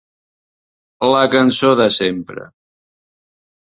La cançó de sempre.